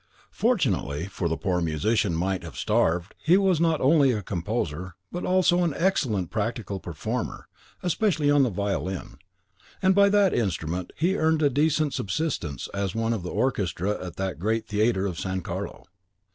Fortunately, or the poor musician might have starved, he was not only a composer, but also an excellent practical performer, especially on the violin, and by that instrument he earned a decent subsistence as one of the orchestra at the Great Theatre of San Carlo.